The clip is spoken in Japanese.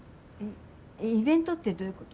イベントってどういうこと？